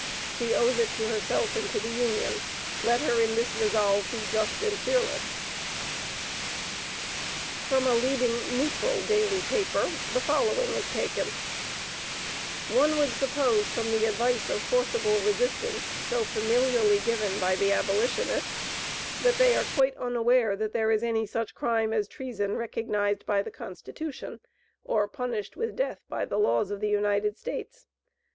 She owes it to herself and to the Union. Let her in this resolve, be just and fearless." From a leading neutral daily paper the following is taken: "One would suppose from the advice of forcible resistance, so familiarly given by the abolitionists, that they are quite unaware that there is any such crime as treason recognized by the Constitution, or punished with death by the laws of the United States.